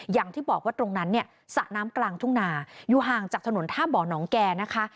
อย่างที่บอกว่าตรงนั้นเนี่ยสระน้ำกลางทุ่งนาอยู่ห่างจากถนนท่าบ่อน้องแก่นะคะ